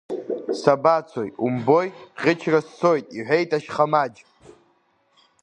Сабацо умбои, ӷьычра сцоит иҳәеит ашьхамаџь.